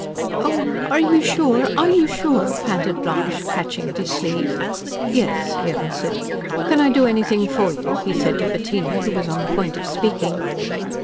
"Oh, are you sure? Are you sure?" panted Blanche, catching at his sleeve. "Yes," he answered. "Can I do anything for you?" he said to Bettina, who was on the point of speaking.